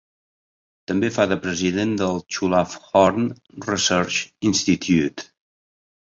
També fa de president del Chulabhorn Research Institute.